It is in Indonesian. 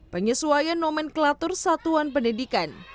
penyesuaian nomenklatur satuan pendidikan